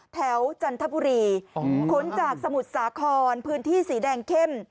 จันทบุรีขนจากสมุทรสาครพื้นที่สีแดงเข้ม